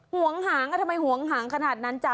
ห่วงหางทำไมหวงหางขนาดนั้นจ๊ะ